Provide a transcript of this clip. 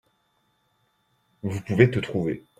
Vous pouvez te trouver.